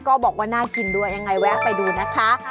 บอกว่าน่ากินด้วยยังไงแวะไปดูนะคะ